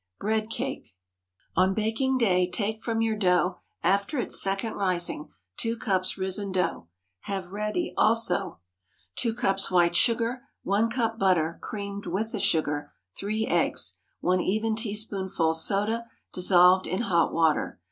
BREAD CAKE. On baking day, take from your dough, after its second rising—2 cups risen dough. Have ready, also— 2 cups white sugar. 1 cup butter, creamed with the sugar. 3 eggs. 1 even teaspoonful soda, dissolved in hot water.